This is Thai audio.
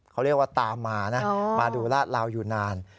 เขาเรียกว่าตามมานะมาดูลาดลาวอยู่นาน